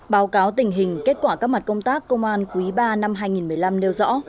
báo cáo tình hình kết quả các mặt công tác công an quý ba năm hai nghìn một mươi năm nêu rõ